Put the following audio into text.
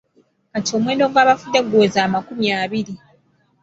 Kati omuwendo gw’abafudde guweze amakumi abiri.